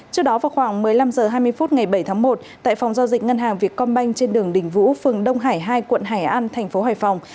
trước đó vào khoảng một mươi năm h hai mươi phút ngày bảy tháng một tại phòng giao dịch ngân hàng việt công banh trên đường đình vũ phường đông hải hai quận hải an thành phố hải phòng